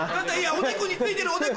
おでこに付いてるおでこ。